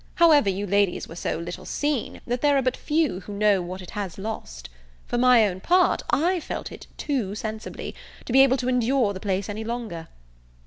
However, you Ladies were so little seen, that there are but few who know what it has lost. For my own part, I felt it too sensibly, to be able to endure the place any longer."